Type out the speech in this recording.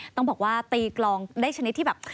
ต้องบอกว่าตีกลองได้ชนิดที่แบบ